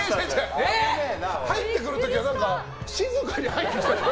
入ってくる時は静かに入ってきたね。